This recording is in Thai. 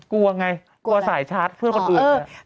กลัวไงกลัวสายชาร์จเพื่อนคนอื่น